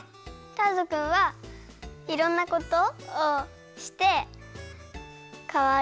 ターズくんはいろんなことをしてかわいい。